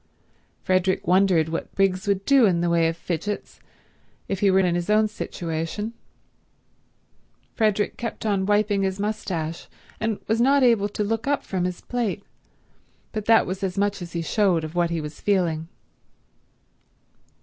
Frederick wondered what Briggs would do in the way of fidgets if he were in his own situation. Frederick kept on wiping his moustache, and was not able to look up from his plate, but that was as much as he showed of what he was feeling.